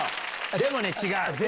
でも違う！